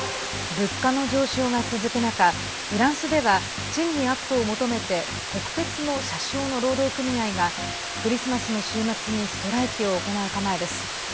物価の上昇が続く中フランスでは賃金アップを求めて国鉄の車掌の労働組合がクリスマスの週末にストライキを行う構えです。